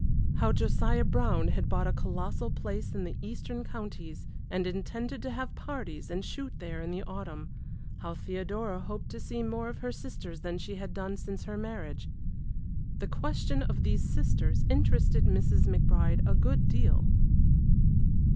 How Josiah Brown had bought a colossal place in the eastern counties, and intended to have parties and shoot there in the autumn. How Theodora hoped to see more of her sisters than she had done since her marriage. The question of these sisters interested Mrs. McBride a good deal.